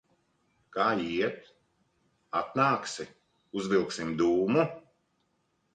Kā iet? Atnāksi, uzvilksim dūmu?